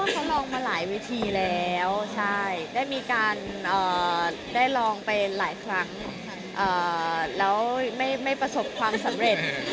เขาลองมาหลายวิธีแล้วใช่ได้มีการได้ลองไปหลายครั้งแล้วไม่ประสบความสำเร็จ